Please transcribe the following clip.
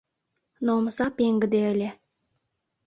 Но омса пеҥгыде ыле.